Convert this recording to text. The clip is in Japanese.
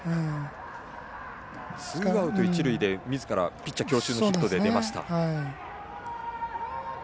ツーアウト、一塁でピッチャー強襲のヒットで出ました。